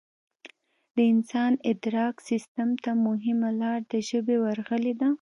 د انسان ادراک سیستم ته مهمه لار د ژبې ورغلې ده